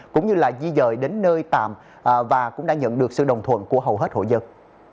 cũng như là di dời đến nơi tạm và cũng đã nhận được sự đồng thuận của hầu hết hội dân